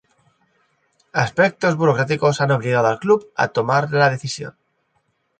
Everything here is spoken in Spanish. Aspectos burocráticos han obligado al club a tomar la decisión.